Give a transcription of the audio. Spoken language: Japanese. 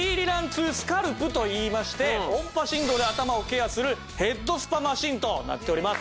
２スカルプといいまして音波振動で頭をケアするヘッドスパマシンとなっております。